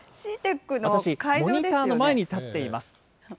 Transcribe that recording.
私、モニターの前に立っています。